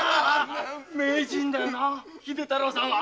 名人だよな秀太郎さんは。